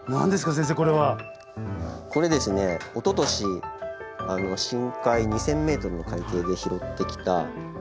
先生これは。これですねおととし深海２，０００ｍの海底で拾ってきた缶です。